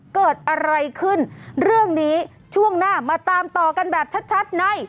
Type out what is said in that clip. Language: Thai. เกิดอะไรขึ้นเรื่องนี้ช่วงหน้ามาตามต่อกันแบบชัดใน